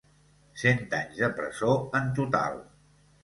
Cent anys de presó en total.